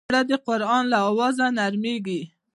زړه د قرآن له اوازه نرمېږي.